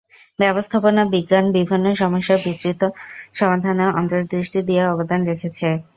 ব্যবস্থাপনা বিজ্ঞান বিভিন্ন সমস্যার বিস্তৃত সমাধানে অন্তর্দৃষ্টি দিয়ে অবদান রেখেছে।